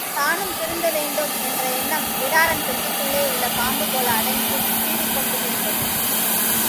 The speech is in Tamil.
தானும் திருந்த வேண்டும் என்ற எண்ணம் பிடாரன் பெட்டிக்குள்ளே உள்ள பாம்புபோல அடங்கியும் சீறிக் கொண்டும் இருந்தது.